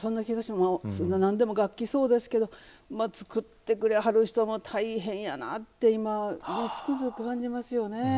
何でも楽器はそうですけど作ってくれはる人も大変やなって今つくづく感じますよね。